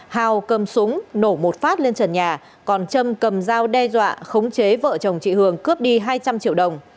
hào cầm súng nổ một phát lên trần nhà còn trâm cầm dao đe dọa khống chế vợ chồng chị hường cướp đi hai trăm linh triệu đồng